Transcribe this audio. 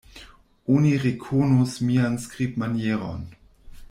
Oni rekonos mian skribmanieron.